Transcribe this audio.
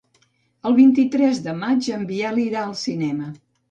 El vint-i-tres de maig en Biel irà al cinema.